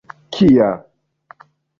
Kia...